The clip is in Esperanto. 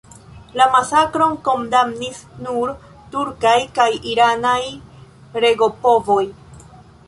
La masakron kondamnis nur turkaj kaj iranaj regopovoj.